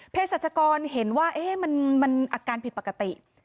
สัชกรเห็นว่ามันอาการผิดปกติ